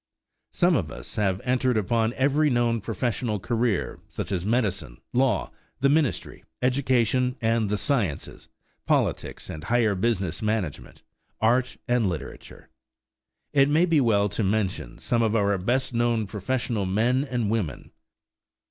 Some of us have entered upon every known professional career, such as medicine, law, the ministry, education and the sciences, politics and higher business management, art and literature. It may be well to mention some of our best known professional men and women.